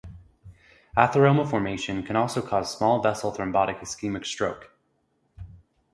Atheroma formation can also cause small vessel thrombotic ischemic stroke.